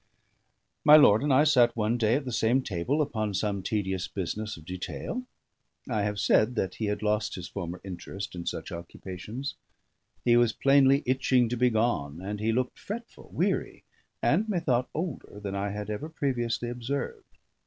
My lord and I sat one day at the same table upon some tedious business of detail; I have said that he had lost his former interest in such occupations; he was plainly itching to be gone, and he looked fretful, weary, and methought older than I had ever previously observed.